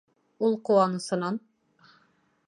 Ул ҡыуанысынан: